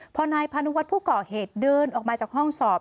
พอนายพานุวัฒน์ผู้ก่อเหตุเดินออกมาจากห้องสอบ